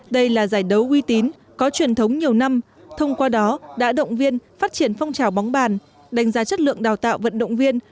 đây là giải đấu uy tín có truyền thống nhiều năm thông qua đó đã động viên phát triển phong trào bóng bàn đánh giá chất lượng đào tạo vận động viên